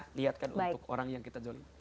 sedekah niatkan untuk orang yang kita zolimi